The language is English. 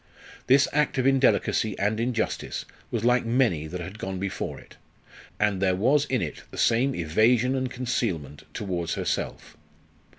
This act of indelicacy and injustice was like many that had gone before it; and there was in it the same evasion and concealment towards herself.